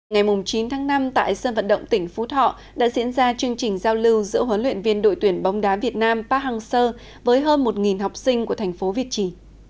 ngày chín tháng năm tại sân vận động tỉnh phú thọ đã diễn ra chương trình giao lưu giữa huấn luyện viên đội tuyển bóng đá việt nam park hang seo với hơn một học sinh của thành phố việt trì